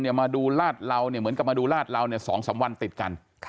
ทำลาดเหมือนกับทำลาดเหล่า๒๓วันติดกัน